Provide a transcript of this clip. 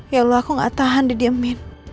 ya allah aku gak tahan didiamin